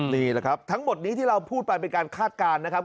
นี่แหละครับทั้งหมดนี้ที่เราพูดไปเป็นการคาดการณ์นะครับ